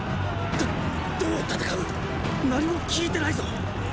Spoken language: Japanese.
どっどう戦う⁉何も聞いてないぞっ！